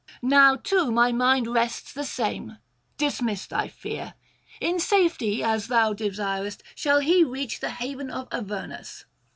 Now too my mind rests the same; dismiss thy fear. In safety, as thou desirest, shall he reach the haven of Avernus.